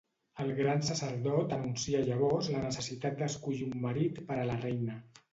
El gran sacerdot anuncia llavors la necessitat d'escollir un marit per a la reina.